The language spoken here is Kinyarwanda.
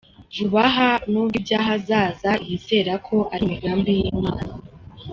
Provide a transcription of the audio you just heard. vubaha n’ubwo iby’ahazaza yizera ko ari imigambi y’Imana.